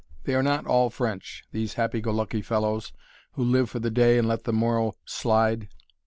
They are not all French these happy go lucky fellows, who live for the day and let the morrow slide.